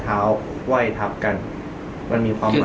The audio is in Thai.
การแก้เคล็ดบางอย่างแค่นั้นเอง